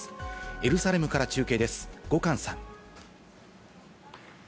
エルサレムから中継です、後閑さん。